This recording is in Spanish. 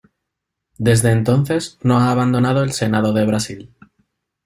Desde entonces no ha abandonado el Senado de Brasil.